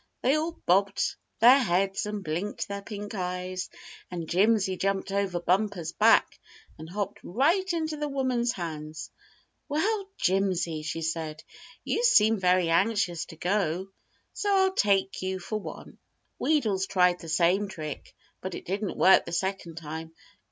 They all bobbed their heads and blinked their pink eyes, and Jimsy jumped over Bumper's back and hopped right into the woman's hands. "Well, Jimsy," she said, "you seem very anxious to go, so I'll take you for one." Wheedles tried the same trick, but it didn't work the second time.